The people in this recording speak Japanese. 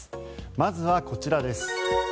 まずはこちらです。